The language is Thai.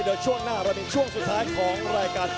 แต่ช่วงหน้าเรามีช่วงสุดท้ายของรายการ